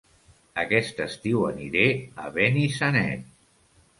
Aquest estiu aniré a Benissanet